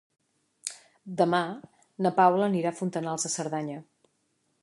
Demà na Paula anirà a Fontanals de Cerdanya.